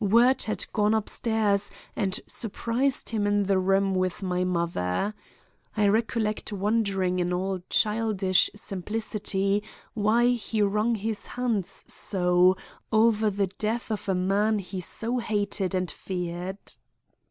Word had gone upstairs and surprised him in the room with my mother. I recollect wondering in all childish simplicity why he wrung his hands so over the death of a man he so hated and feared.